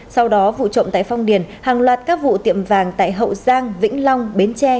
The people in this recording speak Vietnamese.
sau đó vụ trộm tại phong điền hàng loạt các vụ tiệm vàng tại hậu giang vĩnh long bến tre